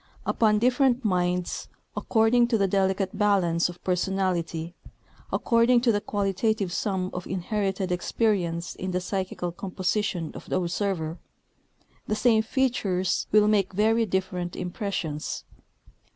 Upon different minds, according to the delicate balance of personality, according to the qualitative sum of inherited experience in the psychical composition of the observer, the same features will make very different impressions.